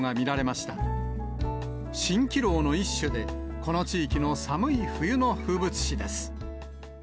しんきろうの一種で、この地域の寒い冬の風物詩です。